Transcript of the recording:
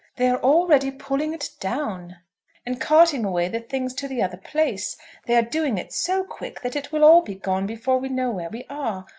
They are already pulling it down, and carting away the things to the other place. They are doing it so quick, that it will all be gone before we know where we are.